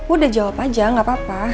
udah jawab aja gak papa